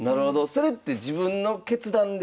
それって自分の決断で？